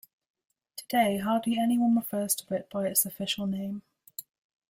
Today hardly anyone refers to it by its official name.